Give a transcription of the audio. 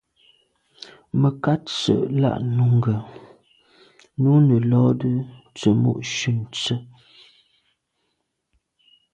Mə̀kát sə̌ lá’ nùngá nǔ nə̀ lódə tsə̀mô shûn tsə́.